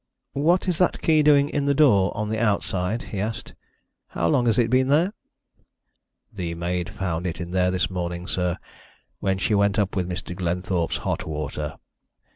"What is that key doing in the door, on the outside?" he asked. "How long has it been there?" "The maid found it there this morning, sir, when she went up with Mr. Glenthorpe's hot water.